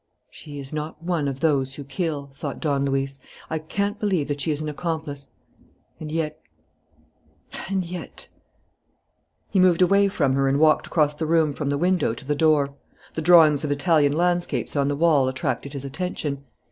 "She is not one of those who kill," thought Don Luis. "I can't believe that she is an accomplice. And yet and yet " He moved away from her and walked across the room from the window to the door. The drawings of Italian landscapes on the wall attracted his attention.